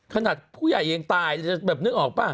ขนาดผู้ใหญ่ยังตายจะแบบนึกออกป่ะ